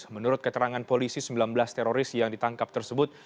menurut keterangan polisi sembilan belas teroris yang ditangkap tersebut